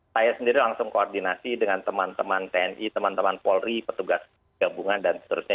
saya sendiri langsung koordinasi dengan teman teman tni teman teman polri petugas gabungan dan seterusnya